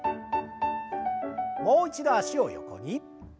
もう一度脚を横に。